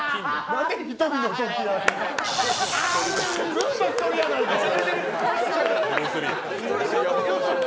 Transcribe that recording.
ずっと１人やないか、俺！